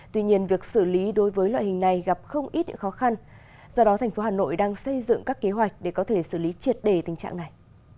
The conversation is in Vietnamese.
tuy nhiên việc xử lý đối với loại hình này gặp không ít những khó khăn do đó thành phố hà nội đang xây dựng các kế hoạch để có thể xử lý triệt đề tình trạng này